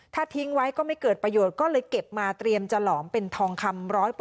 ถ้าทิ้งไว้ก็ไม่เกิดประโยชน์ก็เลยเก็บมาเตรียมจะหลอมเป็นทองคำ๑๐๐